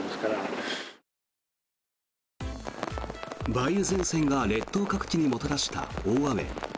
梅雨前線が列島各地にもたらした大雨。